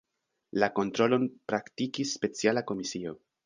La kontrolon praktikis speciala komisio.